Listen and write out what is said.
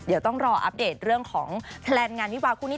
เดี๋ยวต้องรออัปเดตเรื่องของแพลนงานวิวาคู่นี้